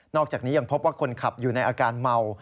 อกจากนี้ยังพบว่าคนขับอยู่ในอาการเมา